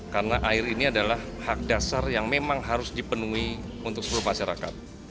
karena air ini adalah hak dasar yang memang harus dipenuhi untuk seluruh masyarakat